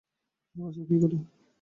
কিন্তু বাঁচব কী করে?